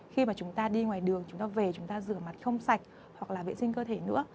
khi mà chúng ta đi ngoài đường chúng ta về chúng ta rửa mặt không sạch hoặc là vệ sinh cơ thể nữa